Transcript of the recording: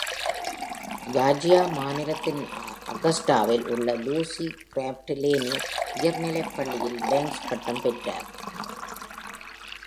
Georgia மாநிலத்தின் அகஸ்டாவில் உள்ள லூசி கிராஃப்ட் லேனி உயர்நிலைப்பள்ளியில் பேங்க்ஸ் பட்டம் பெற்றார்.